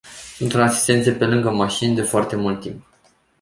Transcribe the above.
Sunt în asistențe pe lângă mașini, de foarte mult timp.